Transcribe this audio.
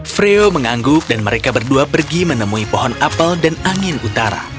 freo mengangguk dan mereka berdua pergi menemui pohon apel dan angin utara